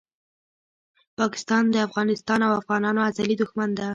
پاکستان دافغانستان او افغانانو ازلي دښمن ده